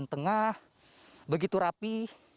yang tengah begitu rapi